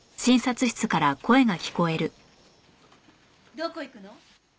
どこ行くの？